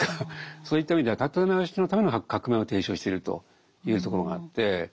そういった意味では立て直しのための革命を提唱してるというところがあって非常に興味深い。